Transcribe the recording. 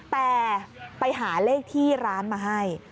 แต่ไปหาเลขที่ร้านมาให้